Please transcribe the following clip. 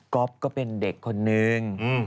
ก็เป็นเด็กคนนึง